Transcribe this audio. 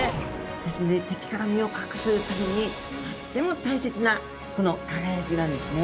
ですので敵から身を隠すためにとっても大切なこの輝きなんですね。